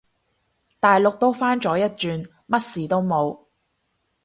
大陸都返咗一轉，乜事都冇